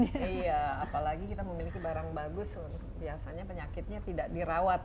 iya apalagi kita memiliki barang bagus biasanya penyakitnya tidak dirawat